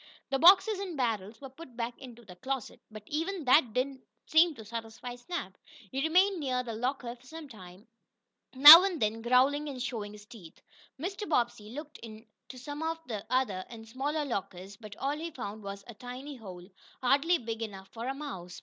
The boxes and barrels were put back into the closet, but even that did not seem to satisfy Snap. He remained near the locker for some time, now and then growling and showing his teeth. Mr. Bobbsey looked in some of the other, and smaller, lockers, but all he found was a tiny hole, hardly big enough for a mouse.